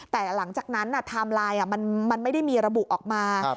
แต่หลังจากนั้นไทม์ไลน์มันไม่ได้มีระบุออกมา